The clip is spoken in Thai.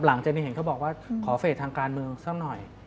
หลังจากนี้เห็นเขาบอกว่าขอเฟสทางการเมืองสักหน่อย